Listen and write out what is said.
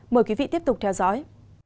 mời quý vị tiếp tục theo dõi